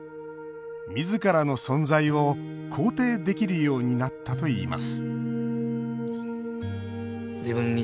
自らの存在を肯定できるようになったといいます